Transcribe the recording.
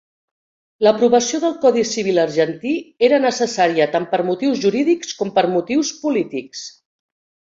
L'aprovació del Codi Civil argentí era necessària tant per motius jurídics com per motius polítics.